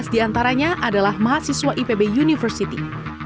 satu ratus enam belas diantaranya adalah mahasiswa ipb university